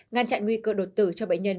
ngăn chặn nguy cơ đột tử cho bệnh nhân